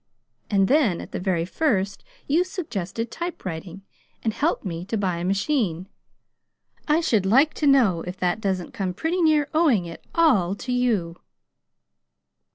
And then, at the very first, you suggested typewriting, and helped me to buy a machine. I should like to know if that doesn't come pretty near owing it all to you!"